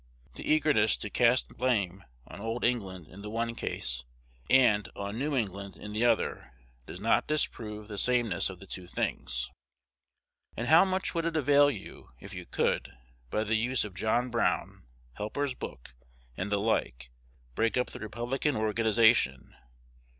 The eagerness to cast blame on old England in the one case, and on New England in the other, does not disprove the sameness of the two things. And how much would it avail you, if you could, by the use of John Brown, Helper's book, and the like, break up the Republican organization?